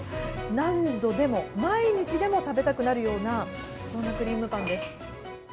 何度でも、毎日でも食べたくなるような、そんなクリームパンです。